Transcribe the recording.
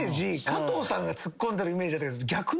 加藤さんがツッコんでるイメージだったけど逆なんだ？